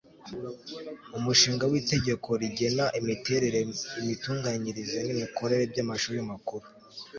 umushinga w'itegeko rigena imiterere, imitunganyirize n'imikorere by'amashuri makuru